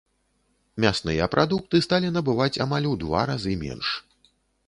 Мясныя прадукты сталі набываць амаль у два разы менш.